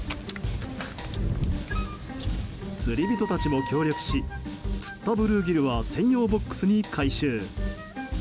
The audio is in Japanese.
釣り人たちも協力し釣ったブルーギルは専用ボックスに回収。